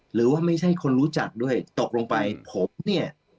หรือว่าไม่ใช่คนรู้จักด้วยตกลงไปผมเนี่ย